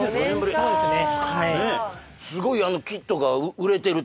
はいそうですね